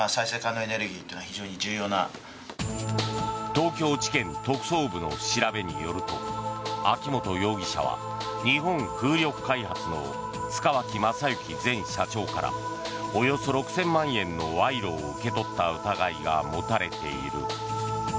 東京地検特捜部の調べによると秋本容疑者は日本風力開発の塚脇正幸前社長からおよそ６０００万円の賄賂を受け取った疑いが持たれている。